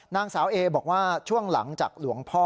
นางสาวเอบอกว่าช่วงหลังจากหลวงพ่อ